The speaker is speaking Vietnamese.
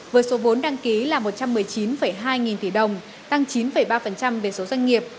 với số vốn đăng ký là một trăm một mươi chín hai nghìn tỷ đồng tăng chín ba về số doanh nghiệp